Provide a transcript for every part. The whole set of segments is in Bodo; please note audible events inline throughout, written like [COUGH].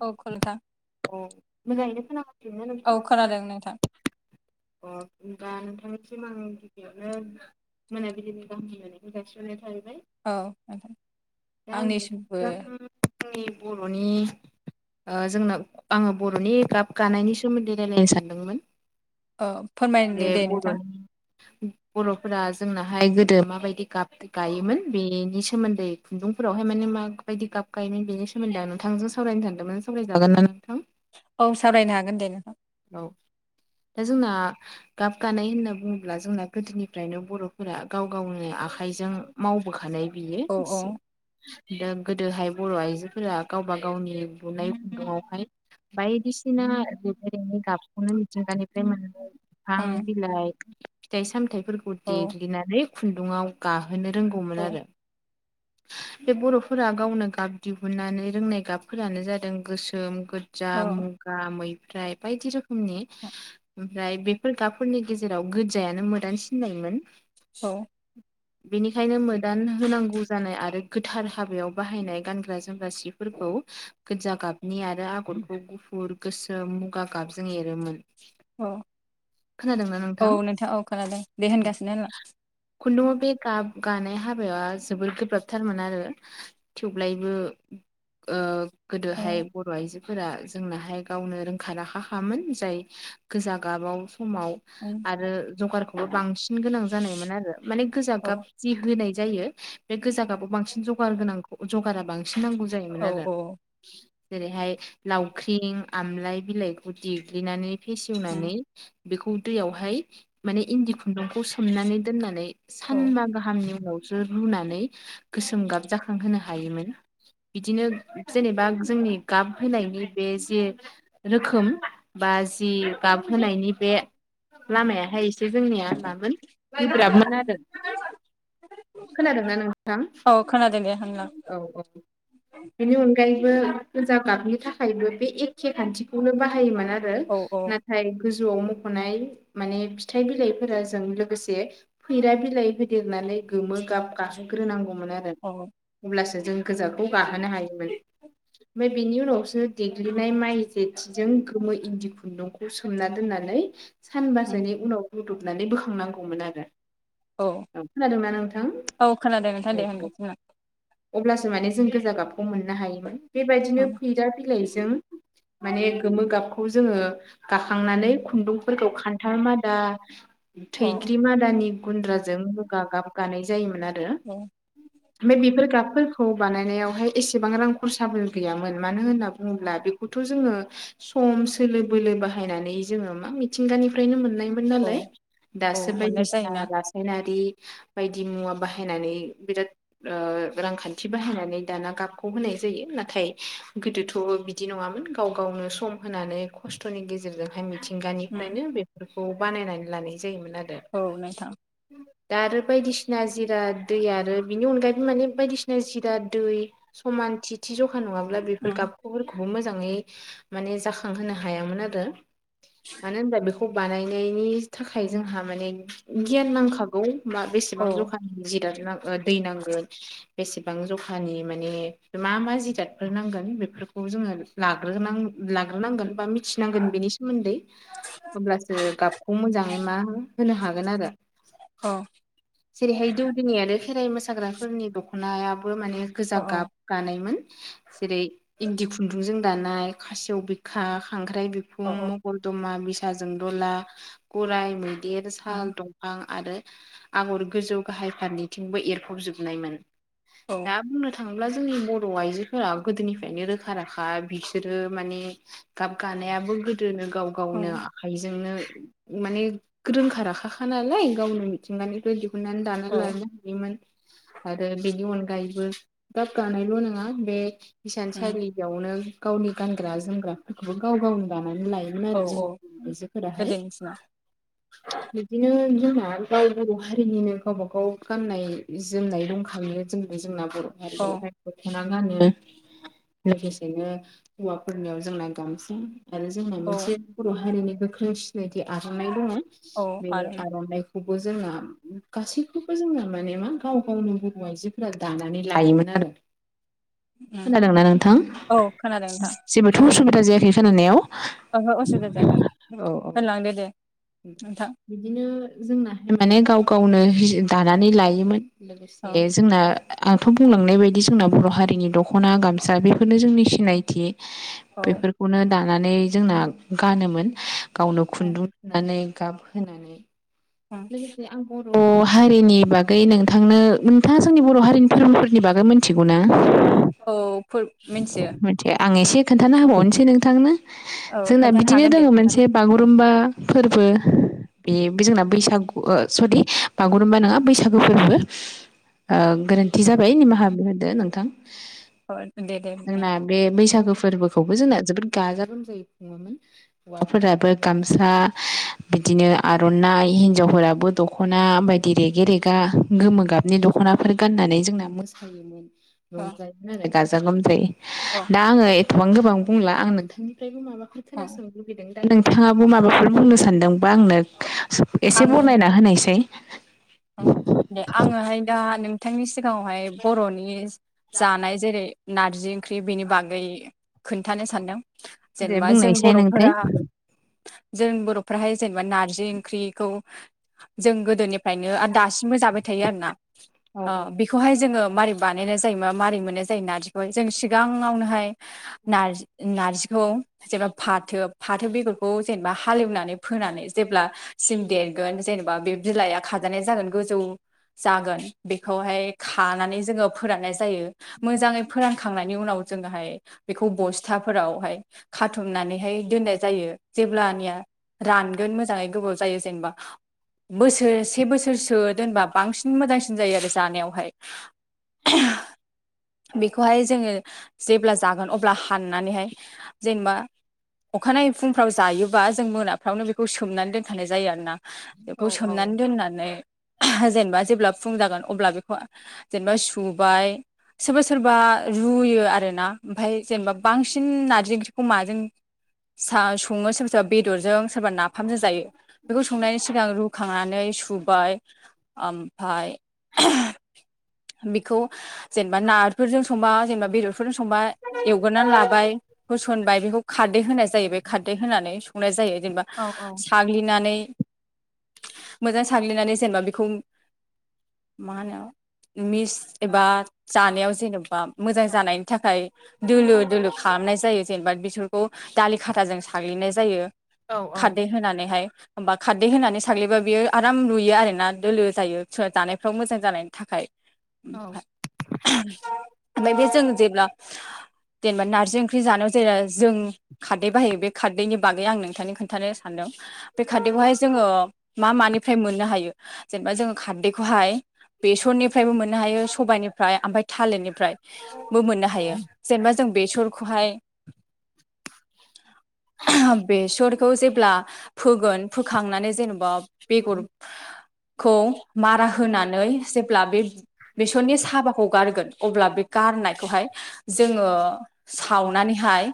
औ [UNINTELLIGIBLE] औ मोजाङैनो खोनाससिनोना औ नोंथां खोनादों नोंथां [UNINTELLIGIBLE] सिमां गिबियावनो मानाबिलिनि गाहाम हामलायनायखौ जासि हरनाय थाबाय औ जागोन आंनिसिमबो जोंनि बर'नि ओ जोंनाव आङो बर'नि गाब गानायनि सोमोन्दै रायजलायनो सानदोंमोन औ फोरमायनो दे नोंथां [UNINTELLIGIBLE] बर'फोरा जोंनाहाय गोदो माबायदि गाब गायोमोन बेनि सोमोन्दै खुन्दुंफोरावहाय माने माबायदि गाब साबखायोमोन बेनि सोमोन्दैं नोंथांजों सावरायनो थांदोंमोन सावरायजागोन ना औ साबरायनो हागोन दे नोंथां औ दा जोंना गाब गानाय होनना बुङोब्ला जोंना गोदोनिफ्रायनो बर'फोरा गाव गावनो आखाइजों मावबोखानाय बियो औ औ एसे दा गोदोहाय बर' आइजोफोरा गावबा गावनि बुनाय खुन्दुआवहाय बायदिसिना गाबखौनो मिथिंगानिफ्राय मोननानै बिफां उम बिलाइ फिथाइ सामथाय फोरखौ औ देग्लिनानै खुन्दुुङाव गाहोनो रोंगौमोन औ आरो बे बर'फोरा गावनो गाब दिहुननानै रोंनाय गाबफोरानो जादों गोसोम गोजा औ मुगा मैफ्रायाइ बायदि रोखोमनि ओमफ्राय बेफोर गाब फोरनि गेजेराव गोजायानो मोदान सिननायमोन औ बेनिखायनो मोदान होनांगौ जानाय आ रो गोथार हाबायाव बाहायनाय गानग्रा जोमग्रा सिफोरखौ गोजा गाबनि आरो आगरगुखौ गुफुर गोसोम मुगा गाबजों एरोमोन औ औ नोंथाङा औ खोनादों दे होनगासिनो होनलां गानाय हाबाया जोबोद गोब्राबथारमोन आरो थेवब्लायबो गोदोहाय उम बर' आइजोफोरा जोंनाहाय गावनो रोंखा राखामोन जाय गोजा गाबाव समाव उम आरो जगारखौबो बांसिन गोनां जानायमोन आरो माने गोजा औ गाब जि होनाय जायो बे गोजाव गाबाव बांसिन ज गार गोनांखौ जगारा बांसिन नांगौ जायोमोन औ आरो जेरैहाय लावख्रिं आमलाय बिलाइखौ देग्लिनानै उम फेसेवनानै बेखौ दैयावहाय माने इन्दि खुन्दुंखौ सोमनानै दोननानै औ सानबा गाहामनि उनाव जु रुनानै गोसोम गाब जाखांहोनो हायोमोन बिदिनो जेनेबा जोंनि गाब होनायनि बे जे रोखोम बा जि गाबहोनायनि बे लामायाहाय एसे जोंनिया मामोन गोब्राबमोन आरो खोनादोंना नोंथां औ खोनादों दे होनलां औ औ बेनि अनगायैबो गोजा गाबनि थाखायबो बे एखे खान्थिखौनो बाहायोमोन आरो औ औ नाथाय गोजौआव मख'नाय माने फिथाइ बिलाइफोरजों लोगोसे फैरा बिलाइ होदेरनानै गोमो गाब गाखांहोग्रोनो नांगौमोन आरो औ अब्लासो जों गोजाखौ गाहोनो हायोमोन ओमफ्राय बेनि उनावसो देग्लि नाय माइ जेथिजों गोमो इन्दि खुन्दुंखौ सोमना दोननानै उम सानबासोनि उनाव रुदबनानै बोखांनांगौमोन आरो औ खोनादोंना नोंथां औ खोनादों नोंथां दे होनगासिनो अब्लासो माने जों गोजा गाबखौ मोननो हायोमोन बेबायदिनो उम फैदा बिलाइजों माने गोमो गाबखौ जोङो गाखांनानै खुन्दुंफोरखौ खान्थाल मादा औ थैख्रि मादानि गुन्द्राजों मुगा गाब गानाय जायोमोन आरो औ ओमफ्राय बेफोर गाबफोरखौ बानायनायावहाय एसेबां रां खरसाबो गैयामोन मानो होनना बुङोब्ला बे थ'जोङो सोलो बोलो बाहायनानै जोङो मा मिथिंगानिफ्रायनो मोननाय मोन औ नालाय औ दासो मोननाय बायदिसिना जायोना रासायनारि बायदि मुवा बाहायनानै बिराद रांखान्थि बाहायनानै दाना गाबखौ होनाय जायो नाथाय गोदोथ' बि दि नङामोन गाव गावनो सम होनानै खस्थ'नि गेजेरजोंहाय उम मिथिंगानिफ्रायनो बेफोर खौ बानायनानै लानाय जायोमोन आरो। औ नोंथां दा आरो बायदिसिना जिराद दै आरो बिनि अनगायैबो माने बायदिसिना जिराद दै सम। मानथि थ ज फखा नङाब्ला बेफोर उम गाबखफोरखौबो मोजाङै माने जाखांहोनो हायामोन आरो। मानो होनबा बेखौ बानायनायनि थाखाय जोंहा माने गियान नांखागौन बेसेबां औ जखानि जिराद नांग दै नांगोन बेसेबां जखानि माने मा मा जिरादफोर नांगोन बेफोर खौ खौ जोङो लाग्रो लाग्रोनांगोन बा मिथिनांगोन बेनि स सोमोन्दै। हब्लासो गाबखौ मोजाङै मा होनो हागोन आरो। औ जेरैहाय दौदिनि आनो खेराइ मोसाग्राफोरनि दख'नायाबो माने गोजा अ गाब गानायमोन जेरै इन्दि खुन्दुंजों दानाय खासेव बिखा खांख्राइ बिखुं अ मगदमा बि फिथाजों दला गराइ मैदेर अ साल दंफां आरो। आगर गोजौ गाहाय फारनैथिंबो एरफबजोबनायमोन औ दा बुंनो था थाङोब्ला जोंनि बर' आइजोफोरा गोदोनिफ्राय। बेनो रोखा राखा बिसोरो माने गाब गानायाबो गो दोनो गाव गावनो आखाइजोंनो। माने रोंखा राखा खा नालाय गावनो मिथिंगानिफ्राय। हमनानै दानानानै औ लानो हायोमोन। आरो बेनि अनगायैबो गाब गानायल' नङा बे। हिसानसालियावनो गावनि गानग्रा जोमग्रा। खौबो गाव गावनो दानानै लायोमोन औ आरो जों औ आइजोफोराहाय। गोदोनि दिनाव बिदिनो जोंहा गाव बर हा। उनिनो गावबा गाव गाननाय जोमनाय दंखङो जों ज जोंनाव। बर' औ हारियावहाय दखना गानो। लोगोसेनो हौवाफोरनियाव जोंना गामसा। आरो जोंना औ मोनसे बर' हारिनि गोख्रों सिनायथि आर'नाइ दङ औ बे आरो आर'नाइखौ। बो जोंहा गासैखौबो जोंना माने मा गाव गावनो बर' आइजोफोरा दानानै लायोमोन आरो। [INAUDIBLE] खोनादोंना नोंथां औ खोनादों नोंथां जेबोथ' खोनायाखै उसुबिदा जायाखै खोनानायाव। ओहो असुबिदा जायाखै औ औ होनलांदो दे नोंथां बिदिनो। जोंना माने गाव गावनो दानानै लायोमोन औ लोगोसे जोंना आंथ' बुंलांनाय बायदि जोंना बर' हारिनि दख'ना गामसा बेफोरनो जोंनि सिनायथि औ बेफोरखौनो दानानै जोंना गानोमोन गावनो ओं खुन्दुं लुनानै गाब होनानै ओं लोगोसे आंखौ बर' हारिनि बागै नोंथांनो नोंथाङा जोंनि बर' हारिनि धोरोमफोरनि बागै मिथिगौ ना। औ मिथियो। आं एसे खोन्थाना होबावनोसै नोंथांनो औ जोंना खोन्थानो बिदिनो हागोन दङ दे खोन्थादो मोनसे बागुरुमबा फोरबो बे जोंना बैसागु जुदि बागुरुम्बा नङा बैसागु फोरबो गोरोन्थि जाबाय निमाहा बिहरदो नोंथां। औ दे दे दे जोंना बे बैसागो फोरबोखौ खौबो जोंना जोबोर गाजा गोमजायै खुङोमोन हौवाफोराबो गामसा बिदिनो। आरनाइ हिनजावफोराबो दख'ना बायदि रेगे रेगा गोमो गाबनि दख'नाफोर गाननानै जोंना मोसा मोसायोमोन। औ रंजायोमोन आरो गाजा गोमजायै औ दा आङो एथबां गोबां बुंला आं नोंथांनि। माबाफोर औ खोनासंनो लुुबैदों दा नोंथाङाबो माबाफोर बुंनो सान्दोंबा आंनो। एसे आं बरनायना होनायसाइ। दे आङोहाय दा नोंथांनि सिगाङावहाय बर'नि। जानाय जेरै नारजि ओंख्रि बेनि बागै खोन्थानो सानदों दे जेनेबा जों बुंनायसै नोंथाय बर'फोरा जों बर'फ्राहाय जेनेबा नारजि ओंख्रिखौ जों गोदोनिफ्रायनो दासिम जाबाय थायो आरोना ओ बेखौहाय जोङो मारै बानायनाय जायो मारै मोननाय जायो नारजिखौ जों सिगाङावनोहाय नारजि नारजि खौ जेनेबा फाथो फाथो बेगरखौ जेनेबा हालेवनानै फोनानै जेब्ला सिम देर गोन जेनेबा बे बिलाइआ खाजानाय जागोन गोजौ जागोन बेखौहाय खानानै जोङो फोराननाय जायो मोजाङै फोरानखांनायनि उनाव जोङोहाय बेखौ बस्थाफोरावहाय खाथुमनानैहाय दोनो दोननाय जायो जेब्लानिया रानगोन मोजांङै गोबाव जायो जेनेबा बोसोरसे से बोसोरसो दोनबा बांसिन मोजांसिन जायो आरो जानायावहाय बेखौहाय जोङो जेब्ला जागोन अब्ला हाननानैहाय जेनेबा अखानायै फुंफ्राव जायोबा जों मोनाफ्रावनो बेखौ सोमनानै दोनखानाय जायो आरोना बेखौ सोमनानै दोननानै जेनेबा जेब्ला फुं जागोन अब्ला बेखौ जेनेबा सुबाय सोरबा सोरबा रुयो आरो ना ओमफ्राय जेनेबा बांसिन नार्जि ओंख्रिखौ माजों सा सङो सोरब सोरबा बेदरजों सोरबा नाफामजों जायो बेखौ संनायनि सिगां रुखांनानै सुबाय ओमफाय बिखौ जेनेबा नाफोरजों संबा जेनेबा बेदर बेफोरजों संबा एवगोरानै लाबाय होसोनबाय बेखौ खारदै होनाय जायो बे खारदै होनानै संनाय जायो जेनेबा साग्लिनानै मोजां साग्लिनानै जेनेबा बेखौ मा होनो मिस एबा जानायाव जेन'बा मोजां जानायनि थाखाय दुलु दुलु खा खालामनाय जायो जेनेबा बिसोरखौ दालि खाथाजों साग्लिनाय जायो खारदै होनानैहाय होमबा खारदै होनानै साग्लिबा बियो आराम लुयो आरोना दोलो जायो जानायफ्राव मोजां जानायनि थाखाय ओमफ्राय बे जों जेब्ला [INAUDIBLE] जेनेबा नारजि ओंख्रि जानायाव जेला जों खारदै बाहायो बे खारदैनि बागै आं नोंथांनि खोन्थानो सानदों बे खारदैखौहाय जोङो मा मानिफ्राय मोननो हायो जेनेबा जोङो खारदैखौहाय बेसरनि फ्रायबो मोननो हायो सबायाइनिफ्राय ओमफ्राय थालिरनिफ्राय बो मोननो हायो जेनेबा जों बेसरखौहाय बेसरखौ जेब्ला फोगोन फोखांनानै जेनेबा बेगर खौ मारा होनानै जेब्ला बे बेसरनि साबा गारगोन अब्ला बे गारनायखौ हाय जोङो सावनानै हाय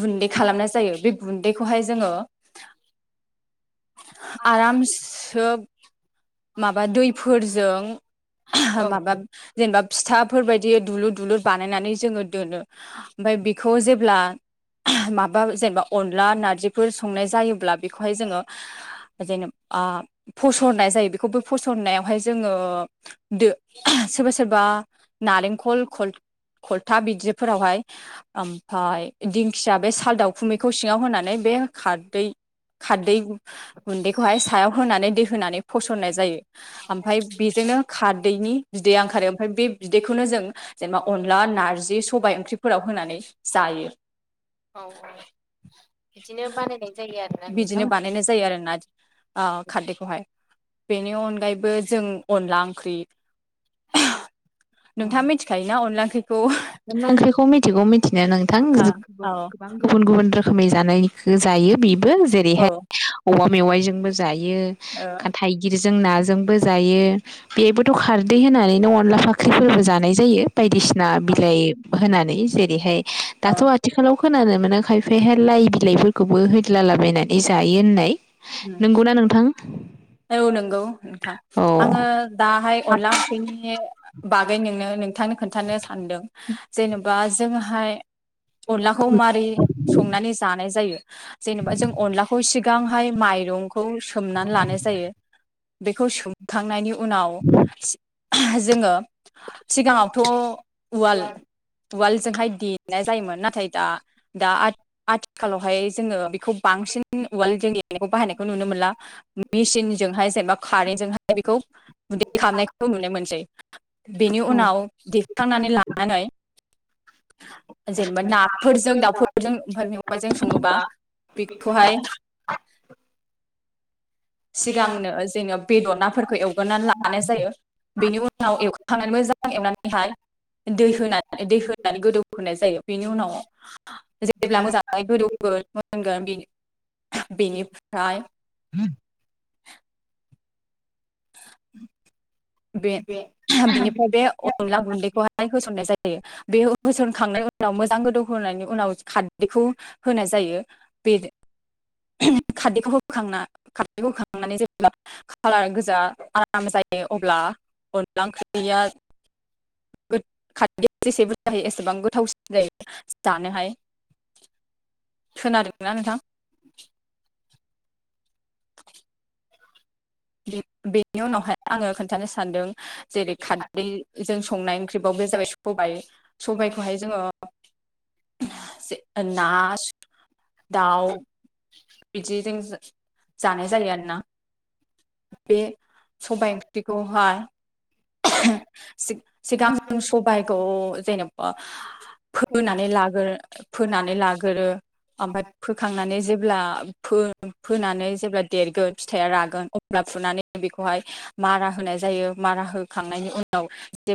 गुन्दै खालामनाय जायो बे गुन्दैखौहाय जोङो आराम सोब माबा दैफोरजों माबा जेनेबा फिथाफोरबायायदि दुलुर दुलुर बानायनानै जोङो दोनो ओमफ्राय बेखौ जेब्ला माबा जेनेबा अनला नारजिफोर संनाय जायोब्ला बेखौहाय जोङो जेनेब आ फसरनाय जायो बेखौबो फसननायावहाय जोङो दो सोरबा सोरबा नारेंखल खल खलथा बिदिफोरावहाय ओमफाय दिंखिया बे साल दाखुमैखौ सिङाव होनानै बे बे खारदै खारदै गुन्दैखौहाय सायाव होनानै दै होनानै फसरनाय जायो आमफाय बेजोंनो खारदैनि बिदैया ओंखारो ओमफ्राय बे बिदैखौनो जों जेनेबा अनला नारजि सबाय ओंख्रिफोराव होनानै जायो औ औ बिदिनो बानायनाय जायो आरोना आ खारदैखौहाय बेनि अनगायैबो जों अनला ओंख्रि नोंथाङा मिथिखायोना अनला ओंख्रिखौ अनला ओंख्रिखौ मिथिगौ मिथिनाया नोंथां औ औ गोबां गुबुन गुबुन रोखोम खोमै जानायखौ जायो बेबो जेरैहाय औवा मेवाइजोंबो जायो। जायो थाइगिरजों नाजोंबो जायो बेबोथ' खारदै होनानै नो अनला ओंख्रिफोरबो जानाय जायो बायदिसिना औ बिलाइ होनानै जेरैहाय दाथ' आथिखालाव खोनानो मोनो खायफ हाय लाइ बिलाइफोरखौबो होदलालाबायनानै जायो होननाय नंगौना नोंथां औ नंगौ नोंथां औ आङो दाहाय अनला ओंख्रिनि बागै नोंनो नोंथांनो खोन्थानो सानदों जेनेबा जोंहा हाय अनलाखौ मारै संनानै जानाय जायो जेनेबा जों अनलाखौ सिगां माइरंखौ सोमनानै लानाय जायो बेखौ सोमखांनायनि उनाव जोङो सिगाङावथ' उवाल उवालजोंहाय दे नाय जायोमोन नाथाय दा दा आथिखालावहाय जोङो खौ बांसिन उवाल जोंनि बाहायनायखौ नुनो मोनला मेसिनजोंहाय जेनेबा कारेन्जोंहाय बेखौ गुदै खालामनायखौ नुनो मोनसै बेनि उनाव दिखांनानै लानानै जेनेबा नाफोरजों दाउफोरजों ओमफ्राय मेवाजों सङोबा बेखौहाय सिगांनो जोंनो बेदर नाफोरखौ एवग्रो नानै लानाय जायो बेनि उनाव एवखांनानैबो मोजां एवनानैहाय दै होन -दै होनानै गोदौ होनोनाय जायो बेनि उनाव जेब्ला मोजाङै गोदौ [UNINTELLIGIBLE] बेनिफ्राय उम बे बिनिफ्राय बे अनला गुन्दैखौहाय होसननाय जायो बे होसनखांनायनि उनाव मोजां जां गोदौ होनायनि उनाव खारदैखौ होनाय जायो बे खारदैखौबो होखांना खारदैखौ होखांनानै जेब्ला खालार गोजा आराम जायो अब्ला अनला ओंख्रिआ [INAUDIBLE] खारदै जेसे बुरजा होयो एसेबां गोथावसिन जायो जानोहाय [INAUDIBLE] खोनादों ना नोंथां। दे बेनि उनावहाय आङो खोन्थानो सानदों जेरै खारदैजों संनाय ओंख्रिबाव बे जाबाय स सबायाइ सबायखौहाय जोङो। ना दाउ बिदिजों जानाय जायो आरोना बे सबाय ओंख्रिखौहाय सिगां जों सबायखौ जेनेबा फोनानै लागोरो -फोनानै लागोरो ओमफ्राय फोखांनानै जेब्ला फोनानै जेब्ला देरगोन फिथाइया रागोन फुनानै बेखौहाय मारा होनाय जायो मारा होखांनायनि उनाव जेब्ला